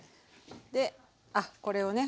であっこれをね